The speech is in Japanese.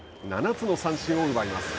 ７つの三振を奪います。